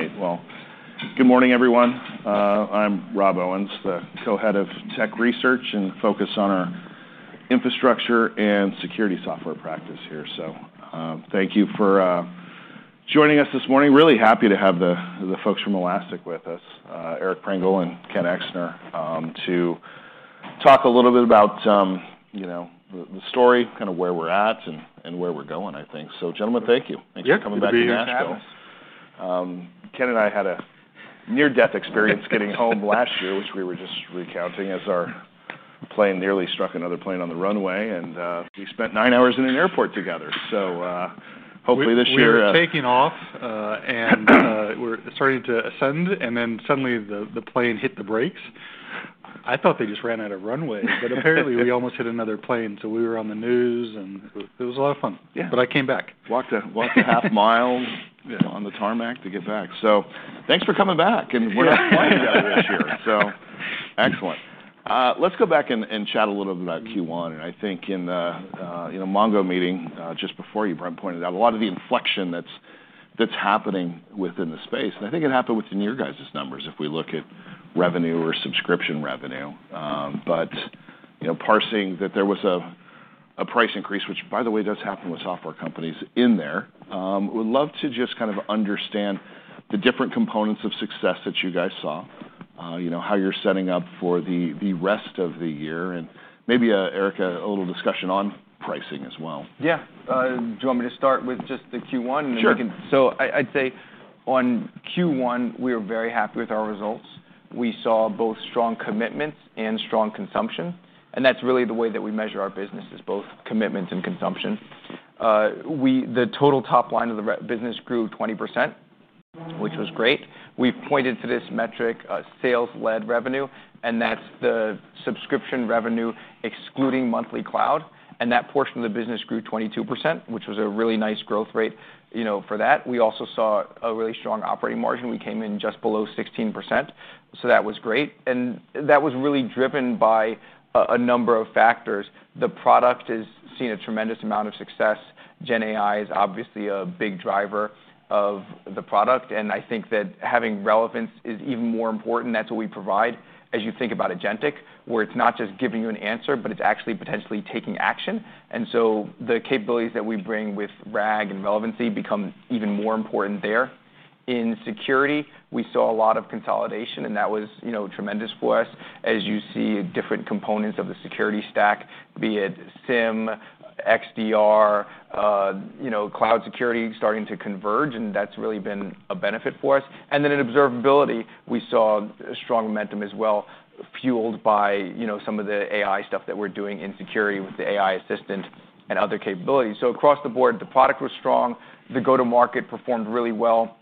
All right. Good morning, everyone. I'm Rob Owens, the Co-Head of Tech Research and focus on our Infrastructure and Security Software practice here. Thank you for joining us this morning. Really happy to have the folks from Elastic with us, Eric Prengel and Ken Exner, to talk a little bit about the story, kind of where we're at and where we're going, I think. Gentlemen, thank you. Thanks for coming back to the astro. Ken and I had a near-death experience getting home last year, which we were just recounting as our plane nearly struck another plane on the runway, and we spent nine hours in an airport together. Hopefully this year. We were taking off, and we're starting to ascend. Suddenly, the plane hit the brakes. I thought they just ran out of runway. Apparently, we almost hit another plane. We were on the news and it was a lot of fun. Yeah, I came back. Walked a half mile on the tarmac to get back. Thanks for coming back and what a flight you got out of here. Excellent. Let's go back and chat a little bit about Q1. I think in the Mongo meeting just before you, Brent pointed out a lot of the inflection that's happening within the space. I think it happened within your guys' numbers if we look at revenue or subscription revenue. Parsing that, there was a price increase, which by the way does happen with software companies in there. We'd love to just kind of understand the different components of success that you guys saw, how you're setting up for the rest of the year and maybe, Eric, a little discussion on pricing as well. Yeah. Do you want me to start with just the Q1? Sure. I'd say on Q1, we were very happy with our results. We saw both strong commitments and strong consumption. That's really the way that we measure our business is both commitment and consumption. The total top line of the business grew 20%, which was great. We pointed to this metric, sales-led revenue, and that's the subscription revenue excluding monthly cloud. That portion of the business grew 22%, which was a really nice growth rate for that. We also saw a really strong operating margin. We came in just below 16%. That was great, and that was really driven by a number of factors. The product has seen a tremendous amount of success. Generative AI is obviously a big driver of the product, and I think that having relevance is even more important. That's what we provide. As you think about Agentic AI, where it's not just giving you an answer, but it's actually potentially taking action, the capabilities that we bring with RAG and relevancy become even more important there. In security, we saw a lot of consolidation, and that was tremendous for us. As you see different components of the security stack, be it Elastic SIEM, XDR, cloud security starting to converge, that's really been a benefit for us. In observability, we saw strong momentum as well, fueled by some of the AI stuff that we're doing in security with the Elastic AI Assistant and other capabilities. Across the board, the product was strong. The go-to-market performed really well.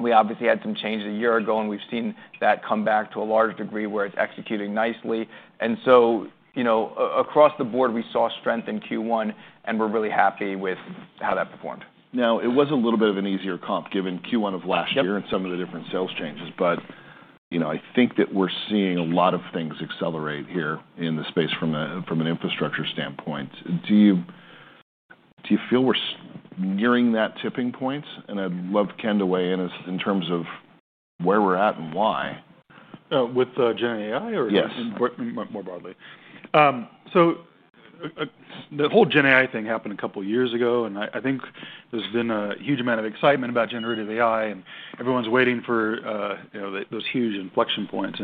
We obviously had some changes a year ago, and we've seen that come back to a large degree where it's executing nicely. Across the board, we saw strength in Q1, and we're really happy with how that performed. Now, it was a little bit of an easier comp given Q1 of last year and some of the different sales changes. I think that we're seeing a lot of things accelerate here in the space from an infrastructure standpoint. Do you feel we're nearing that tipping point? I'd love Ken to weigh in in terms of where we're at and why. With generative AI or more broadly? Yes. The whole Gen AI thing happened a couple of years ago, and I think there's been a huge amount of excitement about generative AI, and everyone's waiting for those huge inflection points.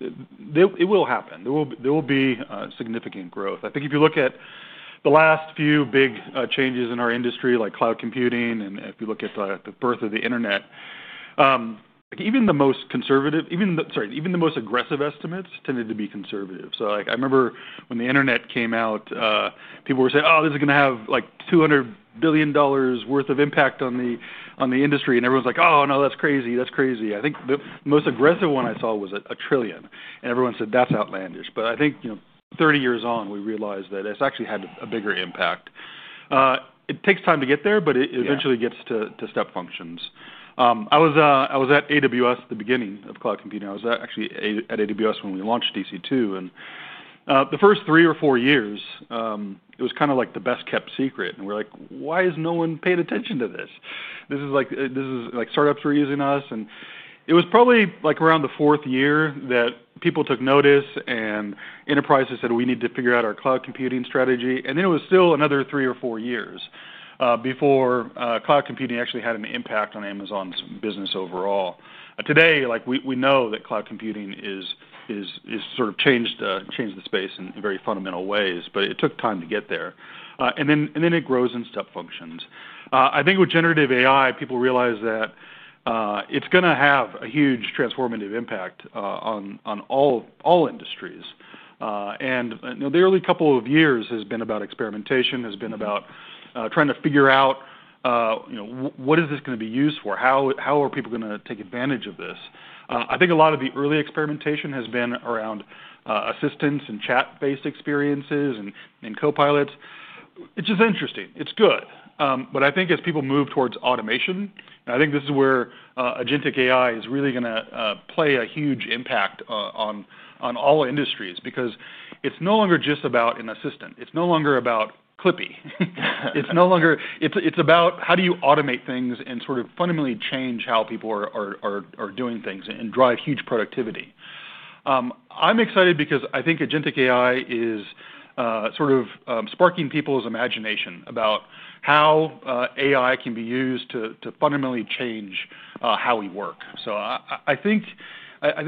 It will happen. There will be significant growth. I think if you look at the last few big changes in our industry, like cloud computing, and if you look at the birth of the internet, even the most conservative, even the most aggressive estimates tended to be conservative. I remember when the internet came out, people were saying, oh, this is going to have like $200 billion worth of impact on the industry. Everyone's like, oh, no, that's crazy. That's crazy. I think the most aggressive one I saw was a trillion. Everyone said, that's outlandish. I think, you know, 30 years on, we realized that it's actually had a bigger impact. It takes time to get there, but it eventually gets to step functions. I was at AWS at the beginning of cloud computing. I was actually at AWS when we launched EC2. The first three or four years, it was kind of like the best kept secret. We're like, why has no one paid attention to this? This is like startups were using us. It was probably like around the fourth year that people took notice and enterprises said, we need to figure out our cloud computing strategy. It was still another three or four years before cloud computing actually had an impact on Amazon's business overall. Today, we know that cloud computing has sort of changed the space in very fundamental ways, but it took time to get there. It grows in step functions. I think with generative AI, people realize that it's going to have a huge transformative impact on all industries. The early couple of years have been about experimentation, has been about trying to figure out what is this going to be used for? How are people going to take advantage of this? I think a lot of the early experimentation has been around assistants and chat-based experiences and copilots. It's just interesting. It's good. I think as people move towards automation, this is where Agentic AI is really going to play a huge impact on all industries because it's no longer just about an assistant. It's no longer about Clippy. It's about how do you automate things and sort of fundamentally change how people are doing things and drive huge productivity. I'm excited because I think Agentic AI is sort of sparking people's imagination about how AI can be used to fundamentally change how we work. I think as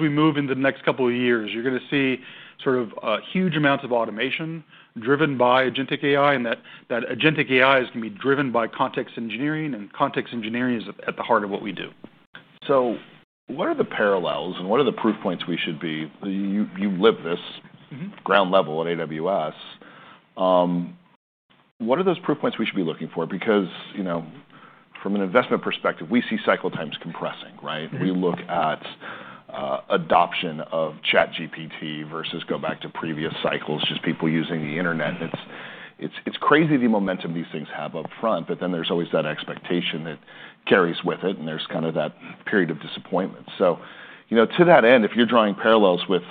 we move into the next couple of years, you're going to see sort of huge amounts of automation driven by Agentic AI, and that Agentic AI is going to be driven by context engineering, and context engineering is at the heart of what we do. What are the parallels and what are the proof points we should be? You live this ground level at AWS. What are those proof points we should be looking for? From an investment perspective, we see cycle times compressing, right? We look at adoption of ChatGPT versus go back to previous cycles, just people using the internet. It's crazy the momentum these things have up front, but then there's always that expectation that carries with it, and there's kind of that period of disappointment. To that end, if you're drawing parallels with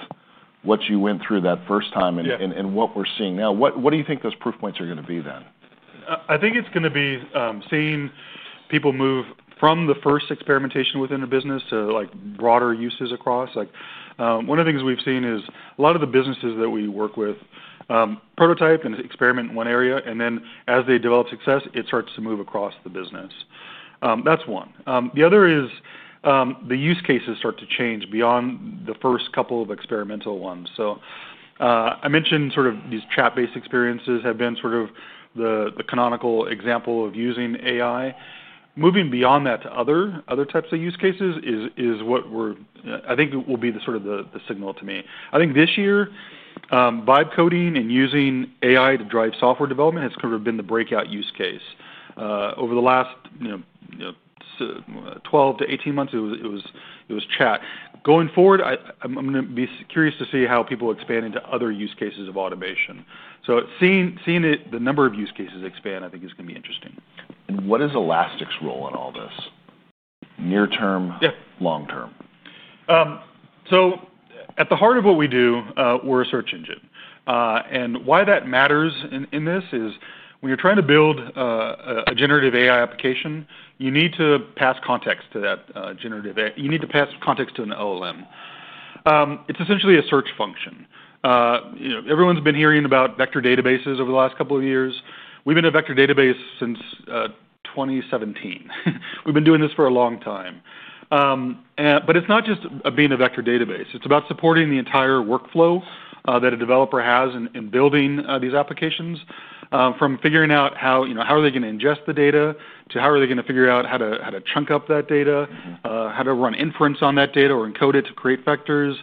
what you went through that first time and what we're seeing now, what do you think those proof points are going to be then? I think it's going to be seeing people move from the first experimentation within a business to broader uses across. One of the things we've seen is a lot of the businesses that we work with prototype and experiment in one area, and then as they develop success, it starts to move across the business. That's one. The other is the use cases start to change beyond the first couple of experimental ones. I mentioned sort of these chat-based experiences have been sort of the canonical example of using AI. Moving beyond that to other types of use cases is what I think will be the signal to me. I think this year, by coding and using AI to drive software development has sort of been the breakout use case. Over the last 12 to 18 months, it was chat. Going forward, I'm going to be curious to see how people expand into other use cases of automation. Seeing the number of use cases expand, I think is going to be interesting. What is Elastic's role in all this? Near term, long term? At the heart of what we do, we're a search engine. Why that matters in this is when you're trying to build a generative AI application, you need to pass context to that generative AI. You need to pass context to an LLM. It's essentially a search function. Everyone's been hearing about vector databases over the last couple of years. We've been a vector database since 2017. We've been doing this for a long time. It's not just being a vector database. It's about supporting the entire workflow that a developer has in building these applications, from figuring out how they are going to ingest the data to how they are going to figure out how to chunk up that data, how to run inference on that data, or encode it to create vectors.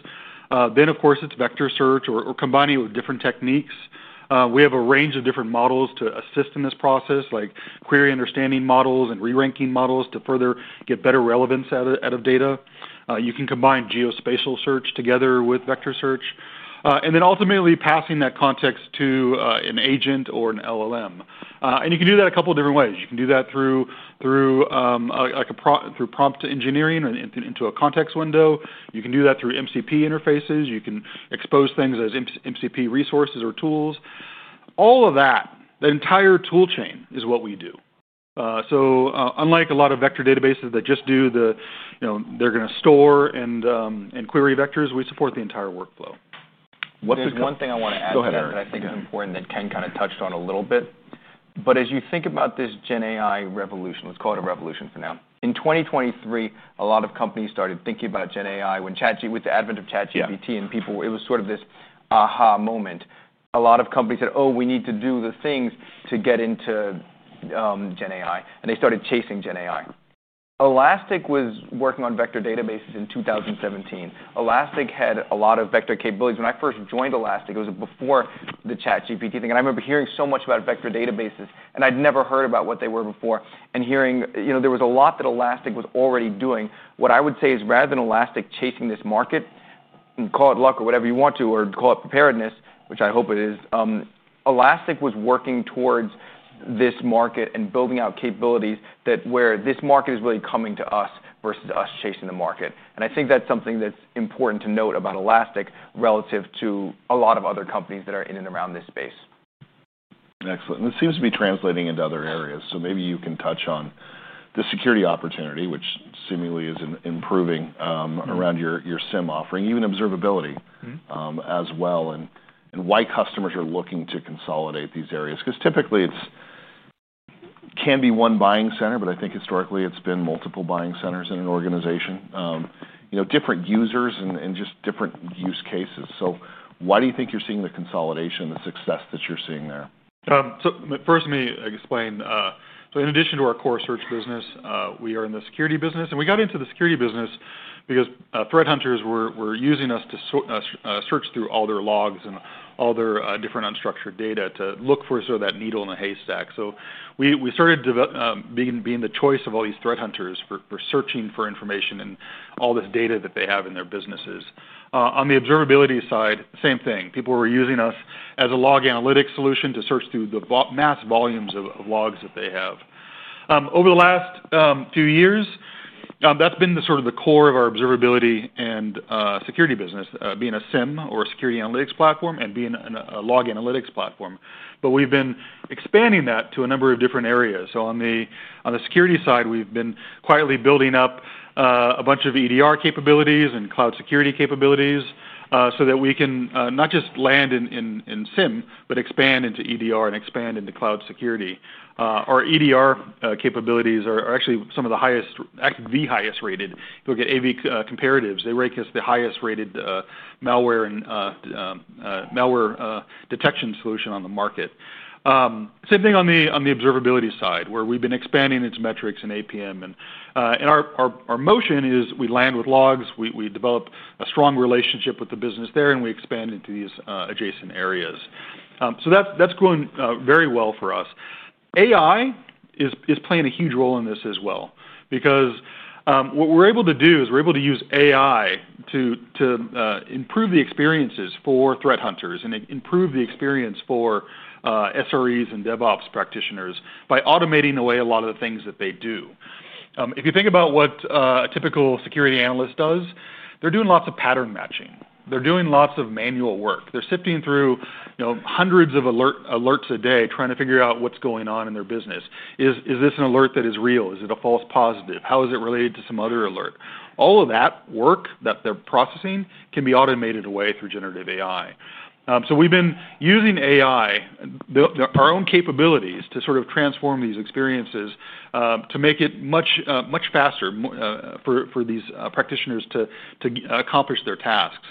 Of course, it's vector search or combining it with different techniques. We have a range of different models to assist in this process, like query understanding models and re-ranking models to further get better relevance out of data. You can combine geospatial search together with vector search. Ultimately, passing that context to an agent or an LLM. You can do that a couple of different ways. You can do that through prompt engineering into a context window. You can do that through MCP interfaces. You can expose things as MCP resources or tools. All of that, that entire tool chain is what we do. Unlike a lot of vector databases that just do the, you know, they're going to store and query vectors, we support the entire workflow. One thing I want to add to that that I think is important that Ken kind of touched on a little bit, as you think about this Gen AI revolution, let's call it a revolution for now. In 2023, a lot of companies started thinking about Gen AI with the advent of ChatGPT, and it was sort of this aha moment. A lot of companies said, oh, we need to do the things to get into Gen AI, and they started chasing Gen AI. Elastic was working on vector databases in 2017. Elastic had a lot of vector capabilities. When I first joined Elastic, it was before the ChatGPT thing. I remember hearing so much about vector databases, and I'd never heard about what they were before. Hearing there was a lot that Elastic was already doing. What I would say is rather than Elastic chasing this market, call it luck or whatever you want to, or call it preparedness, which I hope it is, Elastic was working towards this market and building out capabilities where this market is really coming to us versus us chasing the market. I think that's something that's important to note about Elastic relative to a lot of other companies that are in and around this space. Excellent. This seems to be translating into other areas. Maybe you can touch on the security opportunity, which seemingly is improving around your Elastic SIEM offering, even observability as well, and why customers are looking to consolidate these areas. Typically it can be one buying center, but I think historically it's been multiple buying centers in an organization, different users and just different use cases. Why do you think you're seeing the consolidation, the success that you're seeing there? First, let me explain. In addition to our core search business, we are in the security business. We got into the security business because threat hunters were using us to search through all their logs and all their different unstructured data to look for that needle in the haystack. We started being the choice of all these threat hunters for searching for information and all this data that they have in their businesses. On the observability side, same thing. People were using us as a log analytics solution to search through the mass volumes of logs that they have. Over the last few years, that's been the core of our observability and security business, being a SIEM or a security analytics platform and being a log analytics platform. We've been expanding that to a number of different areas. On the security side, we've been quietly building up a bunch of EDR capabilities and cloud security capabilities so that we can not just land in SIEM, but expand into EDR and expand into cloud security. Our EDR capabilities are actually some of the highest, actually the highest rated. If you look at AV comparatives, they rank us the highest rated malware and malware detection solution on the market. Same thing on the observability side, where we've been expanding its metrics and APM. Our motion is we land with logs, we develop a strong relationship with the business there, and we expand into these adjacent areas. That's going very well for us. AI is playing a huge role in this as well because what we're able to do is we're able to use AI to improve the experiences for threat hunters and improve the experience for SREs and DevOps practitioners by automating away a lot of the things that they do. If you think about what a typical security analyst does, they're doing lots of pattern matching. They're doing lots of manual work. They're sifting through hundreds of alerts a day trying to figure out what's going on in their business. Is this an alert that is real? Is it a false positive? How is it related to some other alert? All of that work that they're processing can be automated away through generative AI. We've been using AI, our own capabilities to transform these experiences to make it much faster for these practitioners to accomplish their tasks.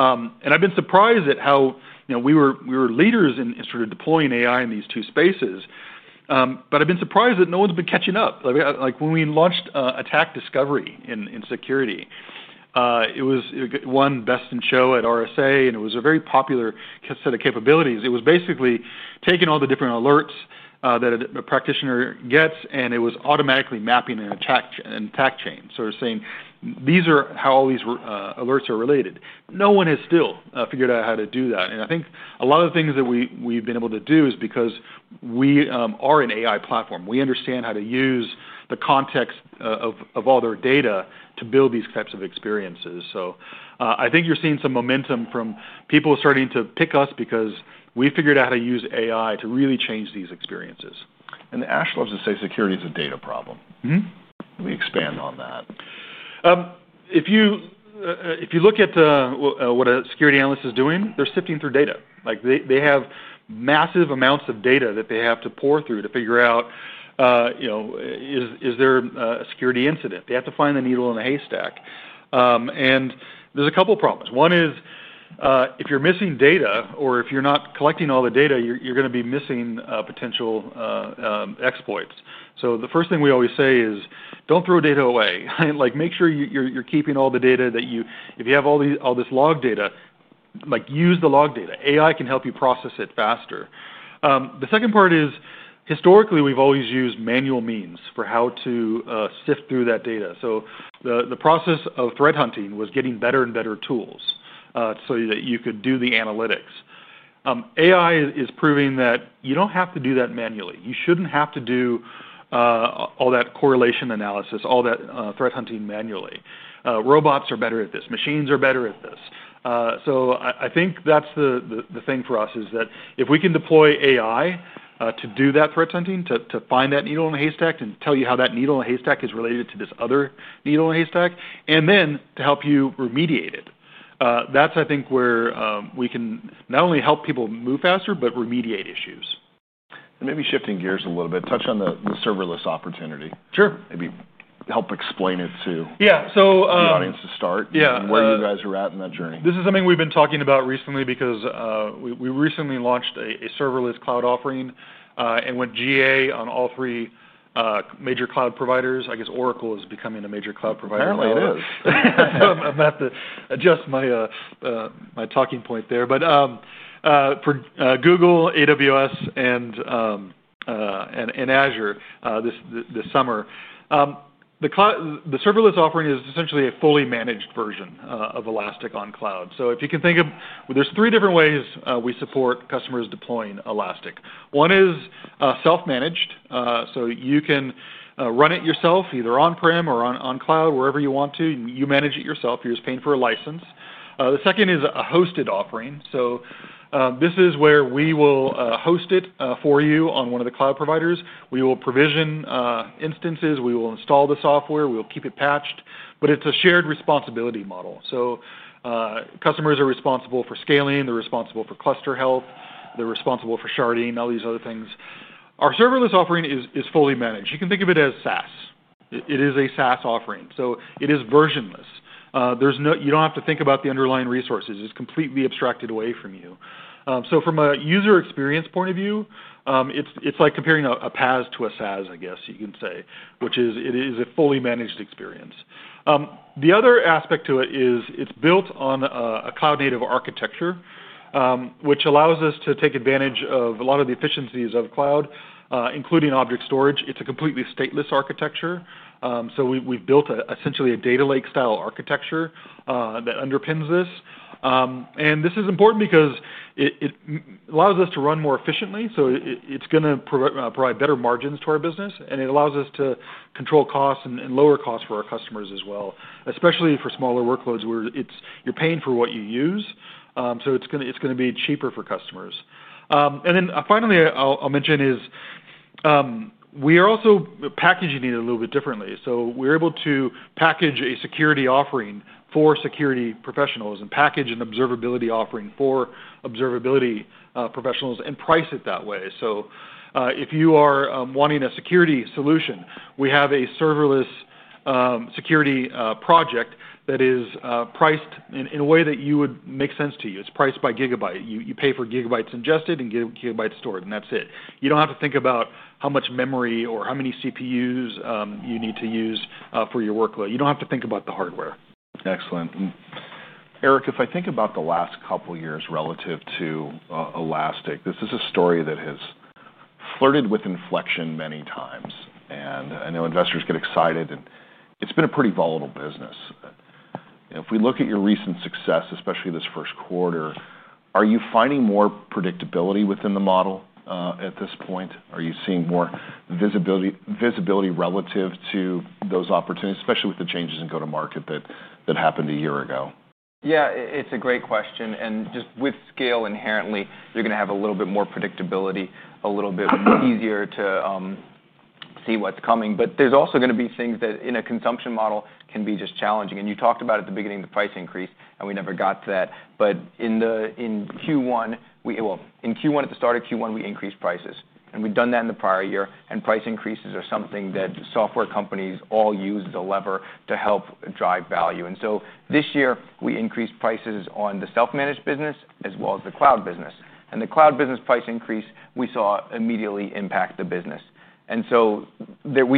I've been surprised at how we were leaders in deploying AI in these two spaces. I've been surprised that no one's been catching up. Like when we launched Elastic Attack Discovery in security, it won best in show at RSA, and it was a very popular set of capabilities. It was basically taking all the different alerts that a practitioner gets, and it was automatically mapping an attack chain, sort of saying these are how all these alerts are related. No one has still figured out how to do that. I think a lot of the things that we've been able to do is because we are an AI platform. We understand how to use the context of all their data to build these types of experiences. I think you're seeing some momentum from people starting to pick us because we figured out how to use AI to really change these experiences. Ash loves to say security is a data problem. Can we expand on that? If you look at what a security analyst is doing, they're sifting through data. They have massive amounts of data that they have to pour through to figure out, you know, is there a security incident? They have to find the needle in the haystack. There's a couple of problems. One is if you're missing data or if you're not collecting all the data, you're going to be missing potential exploits. The first thing we always say is don't throw data away. Make sure you're keeping all the data that you, if you have all this log data, use the log data. AI can help you process it faster. The second part is historically we've always used manual means for how to sift through that data. The process of threat hunting was getting better and better tools so that you could do the analytics. AI is proving that you don't have to do that manually. You shouldn't have to do all that correlation analysis, all that threat hunting manually. Robots are better at this. Machines are better at this. I think that's the thing for us is that if we can deploy AI to do that threat hunting, to find that needle in the haystack and tell you how that needle in the haystack is related to this other needle in the haystack, and then to help you remediate it. That's, I think, where we can not only help people move faster, but remediate issues. Maybe shifting gears a little bit, touch on the serverless opportunity. Sure. Maybe help explain it to the audience to start, and where you guys are at in that journey. This is something we've been talking about recently because we recently launched a serverless cloud offering and went GA on all three major cloud providers. I guess Oracle is becoming a major cloud provider. Apparently, it is. I'm going to have to adjust my talking point there. For Google, AWS, and Azure this summer, the serverless offering is essentially a fully managed version of Elastic on cloud. If you can think of it, there are three different ways we support customers deploying Elastic. One is self-managed. You can run it yourself either on-prem or on cloud, wherever you want to. You manage it yourself. You're just paying for a license. The second is a hosted offering. This is where we will host it for you on one of the cloud providers. We will provision instances, we will install the software, we'll keep it patched. It's a shared responsibility model. Customers are responsible for scaling, they're responsible for cluster health, they're responsible for sharding, all these other things. Our serverless offering is fully managed. You can think of it as SaaS. It is a SaaS offering, so it is versionless. You don't have to think about the underlying resources. It's completely abstracted away from you. From a user experience point of view, it's like comparing a PaaS to a SaaS, I guess you can say, which is it is a fully managed experience. The other aspect to it is it's built on a cloud-native architecture, which allows us to take advantage of a lot of the efficiencies of cloud, including object storage. It's a completely stateless architecture. We've built essentially a data lake style architecture that underpins this. This is important because it allows us to run more efficiently. It's going to provide better margins to our business, and it allows us to control costs and lower costs for our customers as well, especially for smaller workloads where you're paying for what you use. It's going to be cheaper for customers. Finally, I'll mention we are also packaging it a little bit differently. We're able to package a security offering for security professionals and package an observability offering for observability professionals and price it that way. If you are wanting a security solution, we have a serverless security project that is priced in a way that would make sense to you. It's priced by gigabyte. You pay for gigabytes ingested and gigabytes stored, and that's it. You don't have to think about how much memory or how many CPUs you need to use for your workload. You don't have to think about the hardware. Excellent. Eric, if I think about the last couple of years relative to Elastic, this is a story that has flirted with inflection many times. I know investors get excited. It's been a pretty volatile business. If we look at your recent success, especially this first quarter, are you finding more predictability within the model at this point? Are you seeing more visibility relative to those opportunities, especially with the changes in go-to-market that happened a year ago? Yeah, it's a great question. Just with scale inherently, you're going to have a little bit more predictability, a little bit easier to see what's coming. There's also going to be things that in a consumption model can be just challenging. You talked about at the beginning the price increase, and we never got to that. In Q1, at the start of Q1, we increased prices. We've done that in the prior year. Price increases are something that software companies all use as a lever to help drive value. This year, we increased prices on the self-managed business as well as the cloud business. The cloud business price increase we saw immediately impact the business. We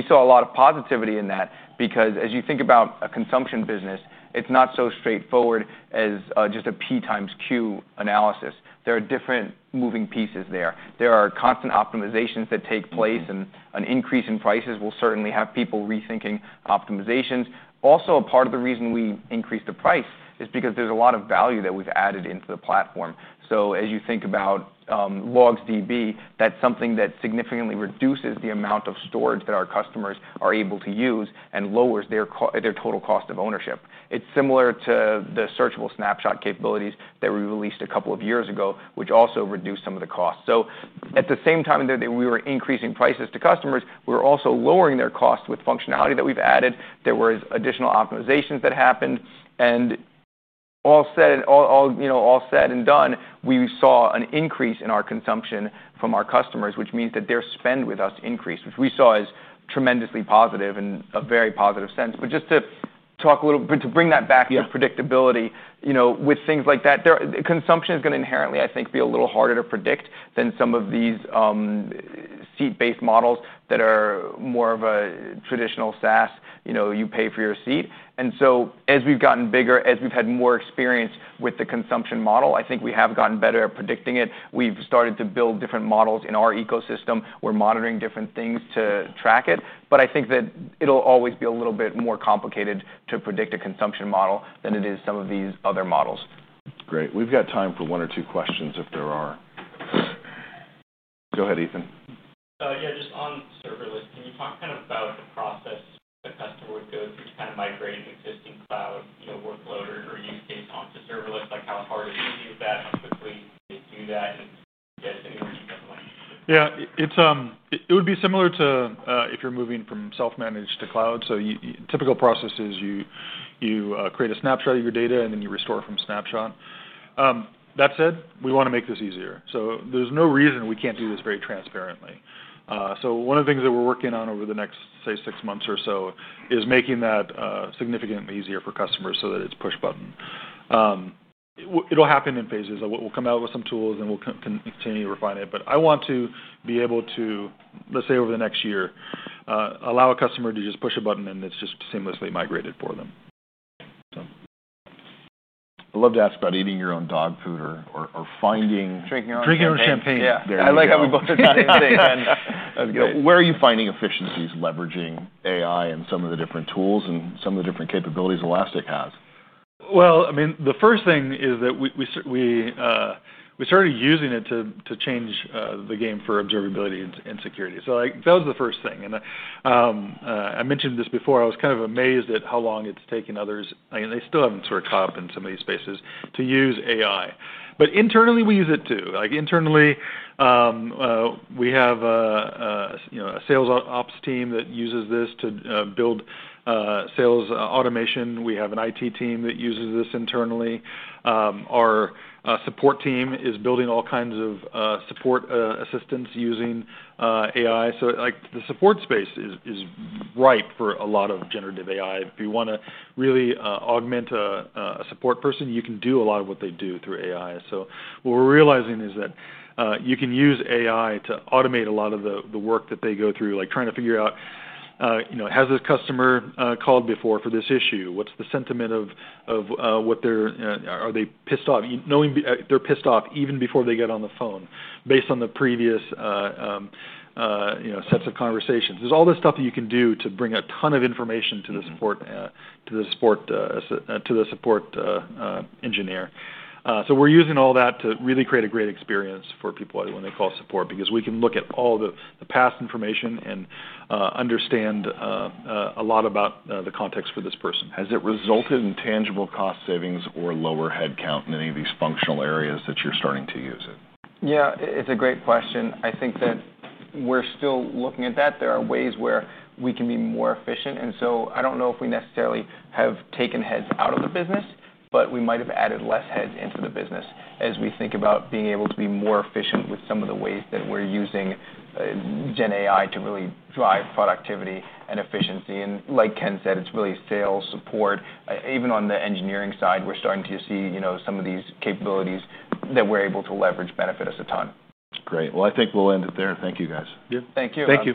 saw a lot of positivity in that because as you think about a consumption business, it's not so straightforward as just a P times Q analysis. There are different moving pieces there. There are constant optimizations that take place, and an increase in prices will certainly have people rethinking optimizations. Also, a part of the reason we increased the price is because there's a lot of value that we've added into the platform. As you think about Elasticsearch LogsDB index mode, that's something that significantly reduces the amount of storage that our customers are able to use and lowers their total cost of ownership. It's similar to the Elastic Searchable Snapshots capabilities that we released a couple of years ago, which also reduced some of the costs. At the same time that we were increasing prices to customers, we were also lowering their costs with functionality that we've added. There were additional optimizations that happened. All said and done, we saw an increase in our consumption from our customers, which means that their spend with us increased, which we saw as tremendously positive in a very positive sense. Just to talk a little bit, to bring that back to predictability, with things like that, the consumption is going to inherently, I think, be a little harder to predict than some of these seat-based models that are more of a traditional SaaS. You pay for your seat. As we've gotten bigger, as we've had more experience with the consumption model, I think we have gotten better at predicting it. We've started to build different models in our ecosystem. We're monitoring different things to track it. I think that it'll always be a little bit more complicated to predict a consumption model than it is some of these other models. Great. We've got time for one or two questions if there are. Go ahead, Ethan. Yeah, just on serverless, can you talk kind of about the process a customer would go through to kind of migrate an existing cloud workload or use these? Yeah, it would be similar to if you're moving from self-managed to cloud. The typical process is you create a snapshot of your data and then you restore it from snapshot. That said, we want to make this easier. There's no reason we can't do this very transparently. One of the things that we're working on over the next, say, six months or so is making that significantly easier for customers so that it's push button. It'll happen in phases. We'll come out with some tools and we'll continue to refine it. I want to be able to, let's say over the next year, allow a customer to just push a button and it's just seamlessly migrated for them. I'd love to ask about eating your own dog food or finding. Drinking our own champagne. Yeah, I like how we both just got nodding. Where are you finding efficiencies leveraging AI and some of the different tools and some of the different capabilities Elastic has? The first thing is that we started using it to change the game for observability and security. That was the first thing. I mentioned this before. I was kind of amazed at how long it's taken others, and they still haven't sort of caught up in some of these spaces to use AI. Internally, we use it too. Internally, we have a sales ops team that uses this to build sales automation. We have an IT team that uses this internally. Our support team is building all kinds of support assistance using AI. The support space is ripe for a lot of generative AI. If you want to really augment a support person, you can do a lot of what they do through AI. What we're realizing is that you can use AI to automate a lot of the work that they go through, like trying to figure out, you know, has this customer called before for this issue? What's the sentiment of what they're, are they pissed off? Knowing they're pissed off even before they get on the phone based on the previous sets of conversations. There's all this stuff that you can do to bring a ton of information to the support engineer. We're using all that to really create a great experience for people when they call support because we can look at all the past information and understand a lot about the context for this person. Has it resulted in tangible cost savings or lower headcount in any of these functional areas that you're starting to use it? Yeah, it's a great question. I think that we're still looking at that. There are ways where we can be more efficient. I don't know if we necessarily have taken heads out of the business, but we might have added less heads into the business as we think about being able to be more efficient with some of the ways that we're using Gen AI to really drive productivity and efficiency. Like Ken said, it's really sales, support. Even on the engineering side, we're starting to see some of these capabilities that we're able to leverage benefit us a ton. Great. I think we'll end it there. Thank you, guys. Thank you. Thank you.